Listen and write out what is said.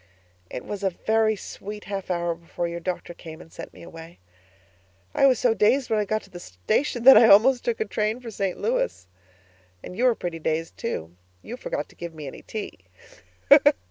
It was a very sweet half hour before your doctor came and sent me away. I was so dazed when I got to the station that I almost took a train for St Louis. And you were pretty dazed, too. You forgot to give me any tea.